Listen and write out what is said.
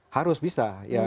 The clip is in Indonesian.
harus bisa ya